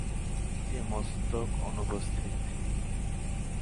এতে মস্তক অনুপস্থিত।